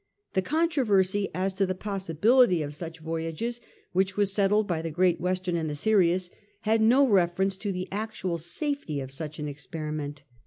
The controversy as to the possi bility of such voyages, which was settled by the Great Western and the Sirius, had no reference to the actual safety of such an experiment.